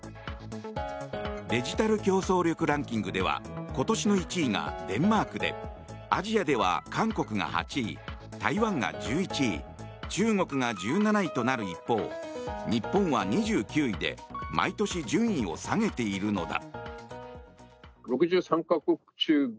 デジタル競争力ランキングでは今年の１位がデンマークでアジアでは韓国が８位台湾が１１位中国が１７位となる一方日本は２９位で毎年順位を下げているのだ。